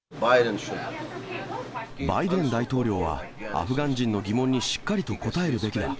バイデン大統領は、アフガン人の疑問にしっかりと答えるべきだ。